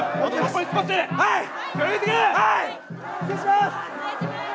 はい！